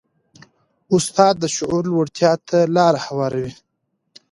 استاد د شعور لوړتیا ته لاره هواروي.